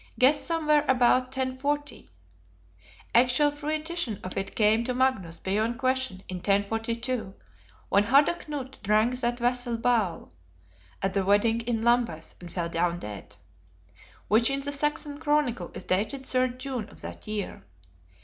Guess somewhere about 1040: actual fruition of it came to Magnus, beyond question, in 1042, when Harda Knut drank that wassail bowl at the wedding in Lambeth, and fell down dead; which in the Saxon Chronicle is dated 3d June of that year.